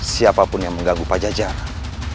siapapun yang mengganggu pajak jarak